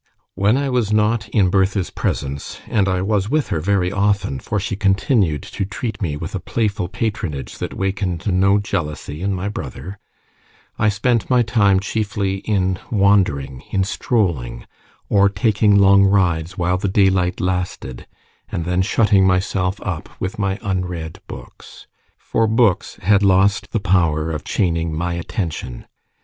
When I was not in Bertha's presence and I was with her very often, for she continued to treat me with a playful patronage that wakened no jealousy in my brother I spent my time chiefly in wandering, in strolling, or taking long rides while the daylight lasted, and then shutting myself up with my unread books; for books had lost the power of chaining my attention.